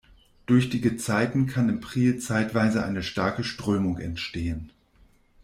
Durch die Gezeiten kann im Priel zeitweise eine starke Strömung entstehen.